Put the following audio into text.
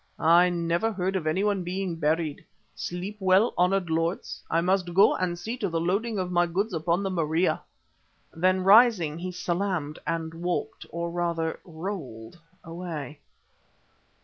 I never heard of anyone being buried. Sleep well, honoured lords, I must go and see to the loading of my goods upon the Maria." Then rising, he salaamed and walked, or rather rolled, away.